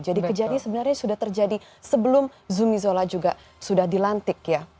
jadi kejadian sebenarnya sudah terjadi sebelum zumizola juga sudah dilantik ya